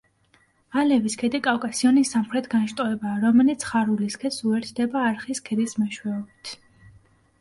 ალევის ქედი კავკასიონის სამხრეთ განშტოებაა, რომელიც ხარულის ქედს უერთდება არხის ქედის მეშვეობით.